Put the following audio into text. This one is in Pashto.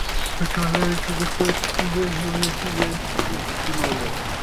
په ټولنه کي د خلکو ترمنځ همږغي باید شتون ولري.